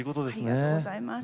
ありがとうございます。